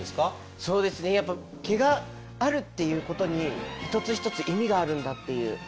そうですねやっぱ毛があるっていうことに一つ一つ意味があるんだっていう。